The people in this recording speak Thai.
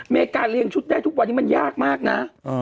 อเมริกาเรียงชุดได้ทุกวันนี้มันยากมากนะ